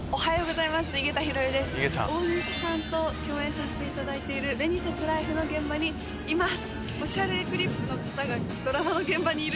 大西さんと共演させていただいている『紅さすライフ』の現場にいます。